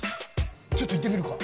ちょっと行ってみるか。